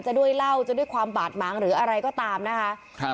ด้วยเหล้าจะด้วยความบาดหมางหรืออะไรก็ตามนะคะครับ